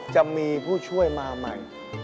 จะมีผู้ช่วยมาใหม่